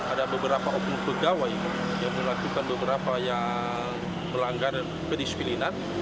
ada beberapa oknum pegawai yang melakukan beberapa yang melanggar kedisiplinan